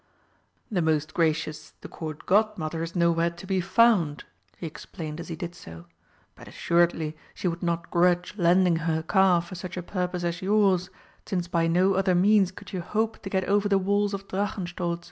"The most gracious the Court Godmother is nowhere to be found," he explained as he did so, "but assuredly she would not grudge lending her car for such a purpose as yours, since by no other means could you hope to get over the walls of Drachenstolz.